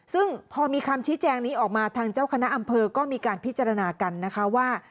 ซึ่งพอมีคำชี้แจงนี้ออกมาทางเจ้าคณะอำเภอก็มีการพิจารณากันนะคะว่า